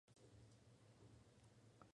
Era de origen canadiense.